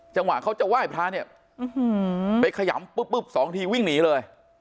จังหวะเขาจะไหว้พระเนี่ยอื้อหือไปขยำปึ๊บปึ๊บสองทีวิ่งหนีเลย